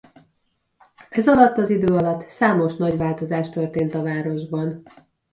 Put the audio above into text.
Ez alatt az idő alatt számos nagy változás történt a városban.